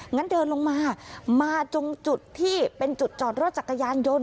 งั้นเดินลงมามาจงจุดที่เป็นจุดจอดรถจักรยานยนต์